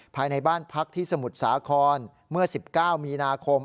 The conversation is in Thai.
ภายในบ้านพักที่สมุทรสาครเมื่อ๑๙มีนาคม